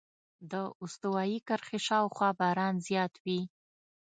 د استوایي کرښې شاوخوا باران زیات وي.